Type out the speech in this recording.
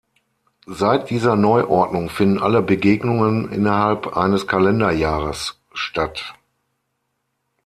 Seit dieser Neuordnung finden alle Begegnungen innerhalb eines Kalenderjahres statt.